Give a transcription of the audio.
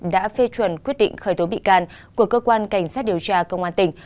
đã phê chuẩn quyết định khởi tố bị can của cơ quan cảnh sát điều tra công an tỉnh